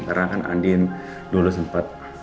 karena kan andin dulu sempet